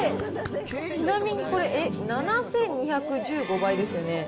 ちなみにこれ、７２１５倍ですよね。